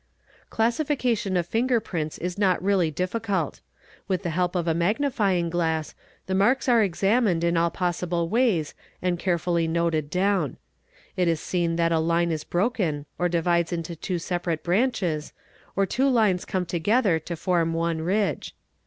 i Classification of finger prints is not really difficult. With the he of a magnifying glass the marks are examined in all possible ways ul FINGER PRINTS 279 carefully noted down. It is seen that a line is broken or divides into two separate branches, or two lines come together to form one ridge.